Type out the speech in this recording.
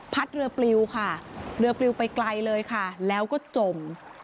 เรือปลิวค่ะเรือปลิวไปไกลเลยค่ะแล้วก็จม